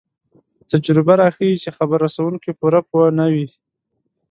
تجربه راښيي چې خبر رسوونکی پوره پوه نه وي.